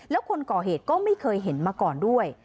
แล้วคนก่อเหตุก็ไม่เคยเห็นมาก่อนด้วย